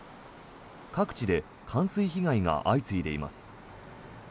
各地で冠水被害が相次いでいます。